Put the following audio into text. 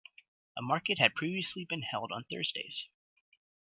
A market had previously been held on Thursdays.